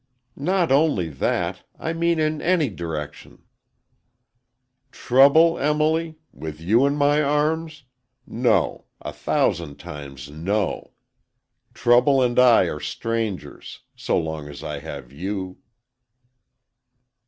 "Not only that; I mean in any direction." "Trouble, Emily! With you in my arms! No,—a thousand times no! Trouble and I are strangers,—so long as I have you!"